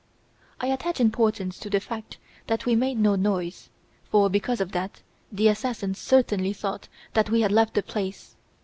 I attach importance to the fact that we made no noise; for, because of that, the assassin certainly thought that we had left the place.